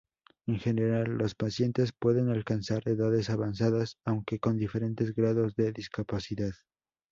En general los pacientes pueden alcanzar edades avanzadas, aunque con diferentes grados de discapacidad.